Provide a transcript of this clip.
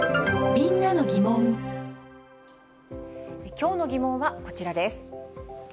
きょうのギモンはこちらです。